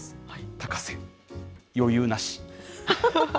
高瀬、余裕なし。